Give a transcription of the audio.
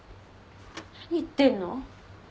何言ってんの？